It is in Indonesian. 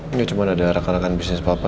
ini cuma ada rakan rakan bisnis papa